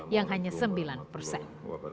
yang hanya sembilan persen